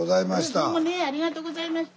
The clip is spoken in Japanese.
どうもねありがとうございました。